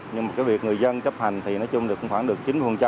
nhưng mà cái việc người dân chấp hành thì nói chung được khoảng được chín